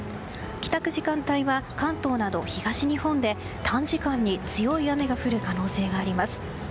帰宅時間帯は、関東など東日本で短時間に強い雨が降る可能性があります。